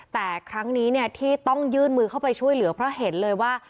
แต่ครั้งนี้เนี่ยที่ต้องยื่นมือเข้าไปช่วยเหลือเพราะเห็นเลยว่า